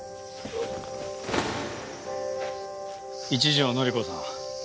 一条典子さん